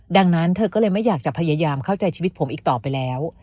ดังนั้นเธอก็เลยไม่อยากจะพยายามเข้าใจชีวิตผมอีกต่อไปแล้ว